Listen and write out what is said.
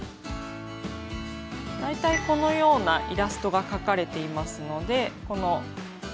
大体このようなイラストが描かれていますのでこの種類を選びます。